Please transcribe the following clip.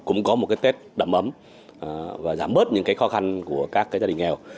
cũng có một tết đậm ấm và giảm bớt những khó khăn của các gia đình nghèo